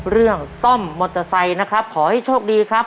เรื่องซ่อมมอเตอร์ไซค์นะครับขอให้โชคดีครับ